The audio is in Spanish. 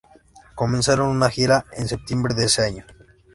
Comenzaron una gira en septiembre de ese año.